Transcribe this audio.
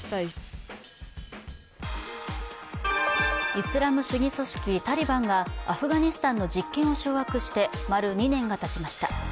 イスラム主義組織タリバンがアフガニスタンの実権を掌握して丸２年がたちました。